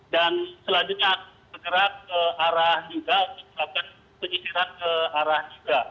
dan selanjutnya bergerak ke arah juga mencipirkan ke arah juga